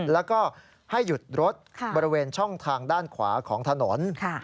แล้วก็ให้หยุดรถบริเวณช่องทางด้านขวาของถนน